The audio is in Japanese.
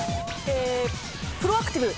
プロアクティブ。